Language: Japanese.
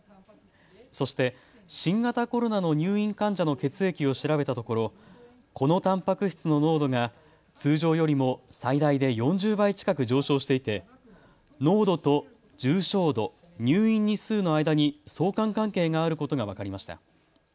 そして新型コロナの入院患者の血液を調べたところこのたんぱく質の濃度が通常よりも最大で４０倍近く上昇していて濃度と重症度、入院日数の間に相関関係があることが分かりました。